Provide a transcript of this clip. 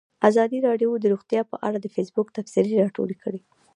ازادي راډیو د روغتیا په اړه د فیسبوک تبصرې راټولې کړي.